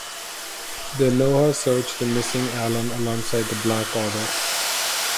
The Noah search the missing Allen alongside the Black Order.